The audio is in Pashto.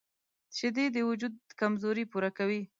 شیدې د وجود کمزوري پوره کوي